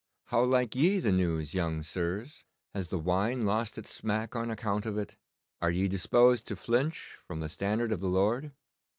How like ye the news, young sirs? Has the wine lost its smack on account of it? Are ye disposed to flinch from the standard of the Lord?